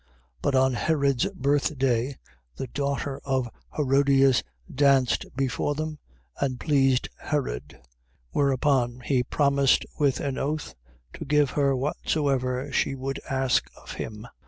But on Herod's birthday, the daughter of Herodias danced before them: and pleased Herod. 14:7. Whereupon he promised with an oath, to give her whatsoever she would ask of him. 14:8.